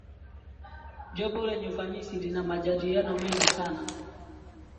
jopo lenye ufanisi lina majadiliano mengi sana